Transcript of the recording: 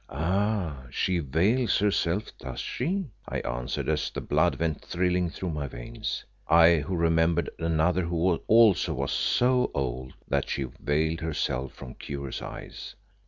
"Ah! she veils herself, does she?" I answered, as the blood went thrilling through my veins, I who remembered another who also was so old that she veiled herself from curious eyes.